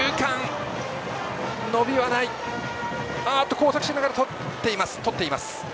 交錯しながら、とっています。